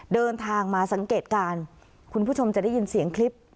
เดินทางมาสังเกตการณ์คุณผู้ชมจะได้ยินเสียงคลิป